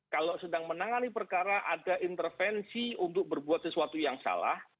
kalau sedang menangani perkara ada intervensi untuk berbuat sesuatu yang salah